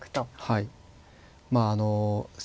はい。